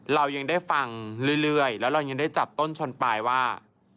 เรายังได้ฟังเรื่อยแล้วเรายังได้จับต้นชนปลายว่า